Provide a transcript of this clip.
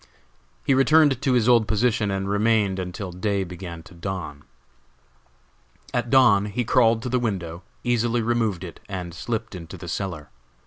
He returned to his old position and remained until day began to dawn. At dawn he crawled to the window, easily removed it, and slipped into the cellar.